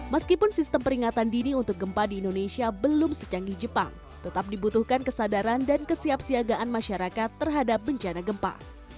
meskipun sistem peringatan dini untuk gempa di indonesia belum secanggih jepang tetap dibutuhkan kesadaran dan kesiapsiagaan masyarakat terhadap bencana gempa